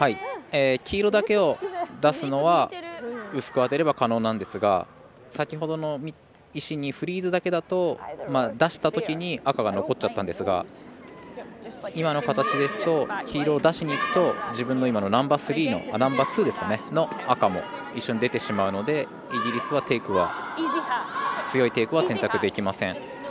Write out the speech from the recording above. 黄色だけを出すのは薄く当てれば可能なんですが先ほどの石にフリーズだけだと出したときに赤が残っちゃったんですが今の形ですと黄色を出しにいくと自分の今のナンバーツーの赤も一緒に出てしまったのでイギリスは強いテイクは選択できません。